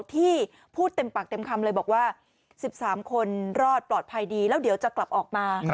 ที่พูดเต็มปากเต็มคำเลยบอกว่า๑๓คนรอดปลอดภัยดีแล้วเดี๋ยวจะกลับออกมา